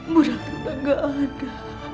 bu rati udah gak ada